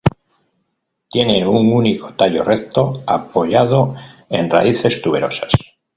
Tiene un único tallo recto, apoyado en raíces tuberosas.